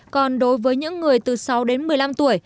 còn đối với những người từ sáu đến một mươi năm tuổi